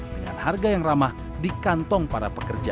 dengan harga yang ramah di kantong para pekerja